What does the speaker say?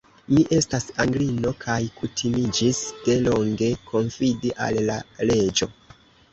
Mi estas Anglino, kaj kutimiĝis de longe konfidi al la leĝo.